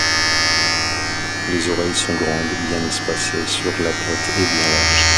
Les oreilles sont grandes, bien espacées sur la tête et bien larges.